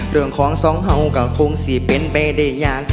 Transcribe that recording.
เรื่องของสองเห่าก็คงสิเป็นไปได้ยาก